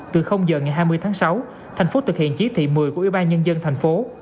từ giờ ngày hai mươi tháng sáu thành phố thực hiện chỉ thị một mươi của ủy ban nhân dân thành phố